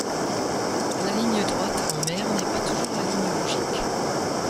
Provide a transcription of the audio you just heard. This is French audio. La ligne droite en mer n’est pas toujours la ligne logique.